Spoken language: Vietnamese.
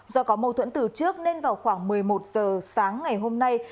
do có mâu thuẫn từ trước nên vào khoảng một mươi một giờ sáng ngày hôm nay